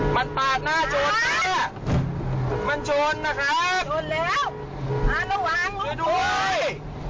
มันตาดหน้าโจรนะมันโจรนะครับ